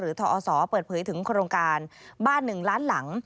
ทอศเปิดเผยถึงโครงการบ้าน๑ล้านหลัง